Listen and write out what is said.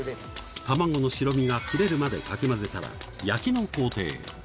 卵の白身が切れるまでかき混ぜたら、焼きの工程へ。